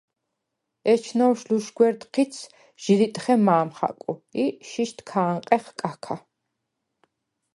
ეჩნოვშ ლუშგვერდ ჴიცს ჟი ლიტხე მა̄მ ხაკუ ი შიშდ ქ’ა̄ნყეხ კაქა.